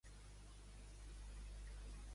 Enguany hi ha model d’home, de dona i de nen.